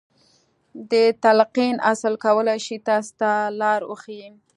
د تلقين اصل کولای شي تاسې ته لار وښيي.